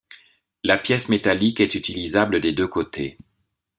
La pièce métallique est utilisable des deux côtés.